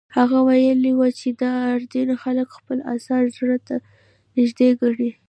هغه ویلي وو چې د اردن خلک خپل اثار زړه ته نږدې ګڼي.